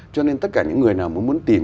cho nên tất cả những người nào muốn tìm